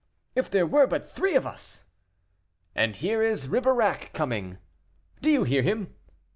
"If there were but three of us!" "And here is Ribeirac coming." "Do you hear him?"